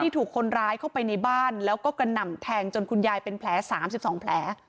ถูกคนร้ายเข้าไปในบ้านแล้วก็กระหน่ำแทงจนคุณยายเป็นแผล๓๒แผล